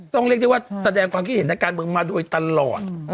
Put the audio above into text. ต้องเรียกที่ว่าสาดแดงความคิดเห็นการเมืองมาโดยตลอด